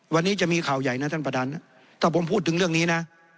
วันนี้จะมีข่าวใหญ่นะท่านประธานถ้าผมพูดถึงเรื่องนี้นะ